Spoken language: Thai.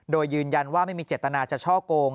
โดยยืนยันว่าไม่มีเจตนาจะช่อโกง